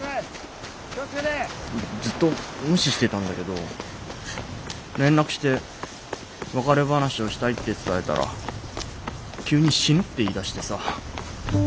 ずっと無視してたんだけど連絡して別れ話をしたいって伝えたら急に死ぬって言いだしてさ。